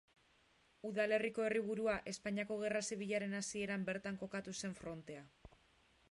Udalerriko herriburua, Espainiako Gerra Zibilaren hasieran bertan kokatu zen frontea.